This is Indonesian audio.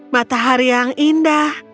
matahari yang indah